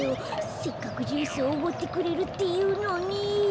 せっかくジュースをおごってくれるっていうのに。